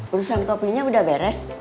urusan kopinya udah beres